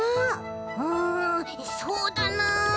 うんそうだな。